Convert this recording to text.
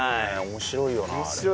面白いよ。